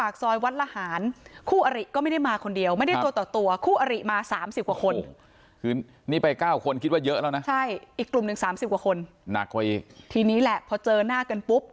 ๑๐กว่าคนหนักกว่าอีกทีนี้แหละพอเจอหน้ากันปุ๊บ